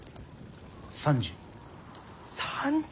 ３０。